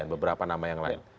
beberapa nama yang lain